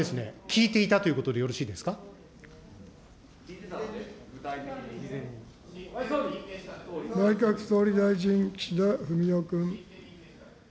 聞いていたということでよろしい内閣総理大臣、岸田文雄君。